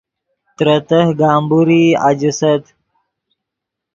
ترے تہہ گمبورئی اَجیست